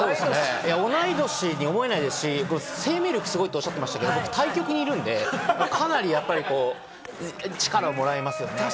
同い年に思えないし、生命力すごいっておっしゃってましたけれども、僕対極にいるんで、かなり力をもらえます。